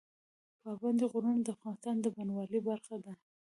پابندی غرونه د افغانستان د بڼوالۍ برخه ده.